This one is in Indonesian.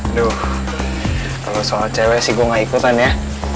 aduh kalo soal cewe sih gue gak ikutan ya